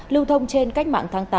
lưu thông trên cách mạng tháng tám